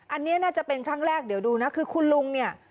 อันนี้น่าจะเป็นครั้งแรกเดี๋ยวดูนะคือคุณลุงเนี่ย